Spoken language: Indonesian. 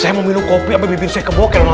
saya mau minum kopi abis abis saya kebuka